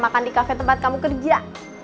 makan di kafe tempat kamu kerja